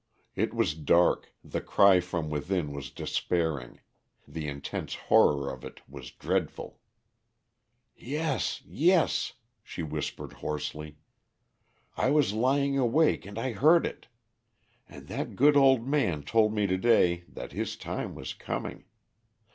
It was dark, the cry from within was despairing, the intense horror of it was dreadful. "Yes, yes," she whispered hoarsely. "I was lying awake and I heard it. And that good old man told me to day that his time was coming.